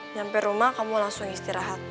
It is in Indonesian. sampai rumah kamu langsung istirahat